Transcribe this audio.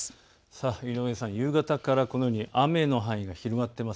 井上さん、夕方からこのように雨の範囲が広がっています。